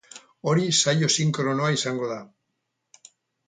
Hori saio sinkronoa izango da.